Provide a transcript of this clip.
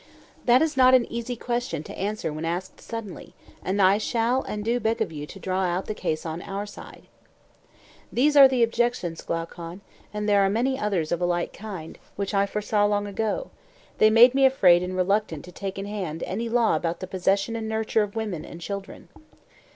That is not an easy question to answer when asked suddenly; and I shall and I do beg of you to draw out the case on our side. These are the objections, Glaucon, and there are many others of a like kind, which I foresaw long ago; they made me afraid and reluctant to take in hand any law about the possession and nurture of women and children.